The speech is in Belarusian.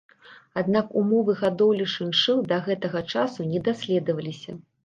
Аднак умовы гадоўлі шыншыл да гэтага часу не даследаваліся.